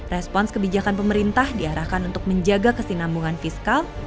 respons kebijakan pemerintah diarahkan untuk menjaga kesinambungan fiskal